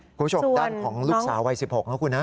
คุณผู้ชมด้านของลูกสาววัย๑๖นะคุณนะ